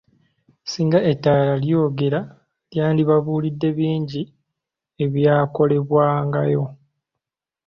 Ssinga ettale lyogera lyandibabuulidde ebingi ebyakolebwangayo.